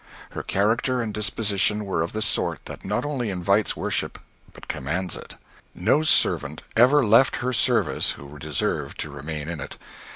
Her character and disposition were of the sort that not only invites worship, but commands it. No servant ever left her service who deserved to remain in it.